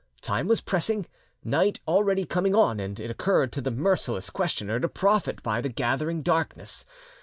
Time was passing, night already coming on, and it occurred to the merciless questioner to profit by the gathering darkness.